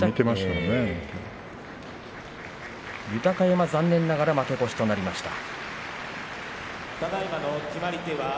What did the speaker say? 豊山、残念ながら負け越しとなりました。